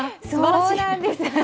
そうなんです。